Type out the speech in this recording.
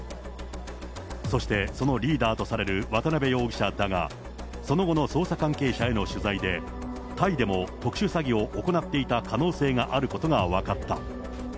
そしてそのリーダーとされる渡辺容疑者だが、その後の捜査関係者への取材で、タイでも特殊詐欺を行っていた可能性があることが分かった。